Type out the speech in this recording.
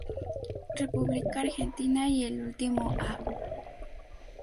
República Argentina y el último Av.